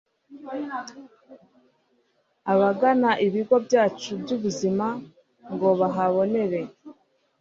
Abagana ibigo byacu byubuzima ngo bahabonere